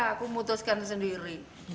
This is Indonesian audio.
aku mutuskan sendiri